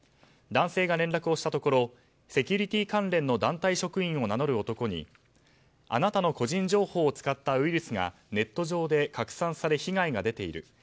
男性が連絡をしたところセキュリティー関連の団体職員を名乗る男にあなたの個人情報を使ったウイルスがネット上で拡散され被害が出ている。